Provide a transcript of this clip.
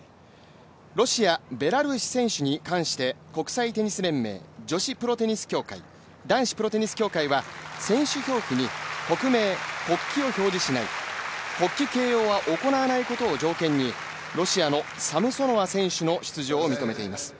ロシア、ベラルーシ選手に関して国際テニス連盟、女子プロテニス協会、男子プロテニス協会は選手表記に国名・国旗を表示しない、国旗掲揚は行わないことを条件にロシアのサムソノワ選手の出場を認めています。